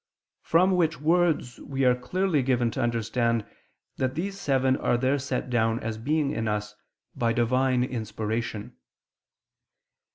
from which words we are clearly given to understand that these seven are there set down as being in us by Divine inspiration.